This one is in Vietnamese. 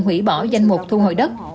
hủy bỏ danh mục thu hồi đất